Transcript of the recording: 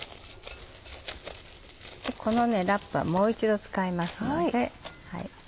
このラップはもう一度使いますので。